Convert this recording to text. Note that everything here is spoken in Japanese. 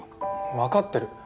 わかってる。